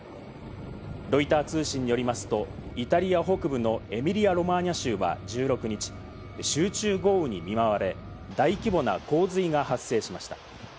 ロイター通信によりますと、イタリア北部のエミリア・ロマーニャ州は１６日、集中豪雨に見舞われ、大規模な洪水が発生しました。